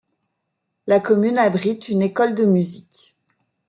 La commune abrite une école de musique.